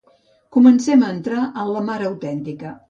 Comencem a entrar en la mar autèntica.